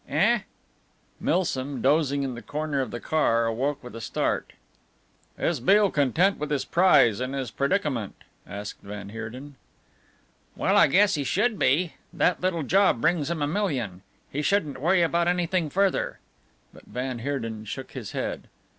"Eh?" Milsom, dozing in the corner of the car, awoke with a start. "Is Beale content with his prize and his predicament?" asked van Heerden. "Well, I guess he should be. That little job brings him a million. He shouldn't worry about anything further." But van Heerden shook his head.